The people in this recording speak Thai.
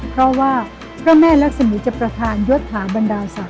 เพราะว่าพระแม่รักษมีจะประธานยศถาบรรดาศาส